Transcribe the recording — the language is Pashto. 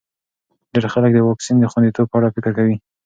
ډېر خلک د واکسین د خونديتوب په اړه فکر کوي.